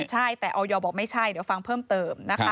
ใช่แต่ออยบอกไม่ใช่เดี๋ยวฟังเพิ่มเติมนะคะ